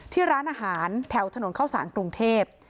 ที่ร้านอาหารแถวถนนเข้าสารกรุงเทพ